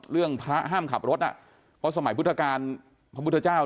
เรื่องพระห้ามขับรถอ่ะเพราะสมัยพุทธกาลพระพุทธเจ้า